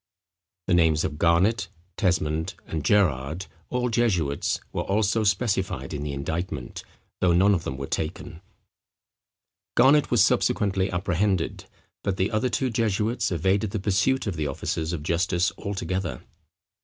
The names of Garnet, Tesmond, and Gerrard, all jesuits, were also specified in the indictment, though none of them were taken. Garnet was subsequently apprehended; but the other two jesuits evaded the pursuit of the officers of justice altogether.